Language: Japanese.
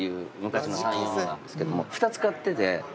２つ買ってて。